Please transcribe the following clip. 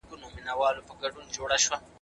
سياستپوهنه د رڼا او ويښتيا تر ټولو لويه سرچينه ده.